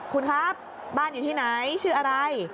คุณครับบ้านอยู่ที่ไหนชื่ออะไร